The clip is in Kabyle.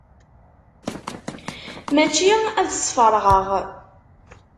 Mačči ad sferɣeɣ.